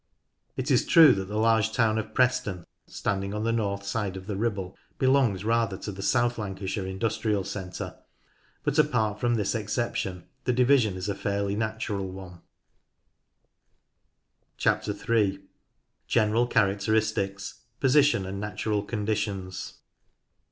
It is true that the large town of Preston standing on the north side of the Ribble belongs rather to the South Lancashire industrial centre, but apart from this exception the division is a fairly natural one. GENERAL CHARACTERISTICS 11 3. General Characteristics. Position and Natural Conditions.